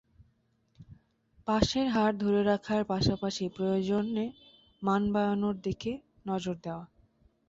পাসের হার ধরে রাখার পাশাপাশি প্রয়োজন মান বাড়ানোর দিকে নজর দেওয়া।